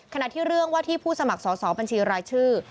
ขณะที่เรื่องว่าที่ผู้สมัครสอบบัญชีรายชื่อ